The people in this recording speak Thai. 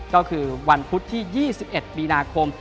ก็คือวันพุธที่๒๑มีนาคม